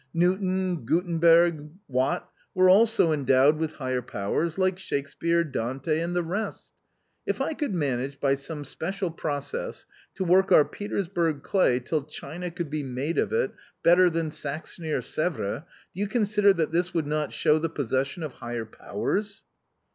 Newton, Gutenberg, Watt, were also endowed with higher powers, like Shakespeare, Dante and the rest. If I could manage by some special process to work our Peters burg pay till china could be made of it better than Saxony or Sevres, do you consider that this would not show the possession of higher powers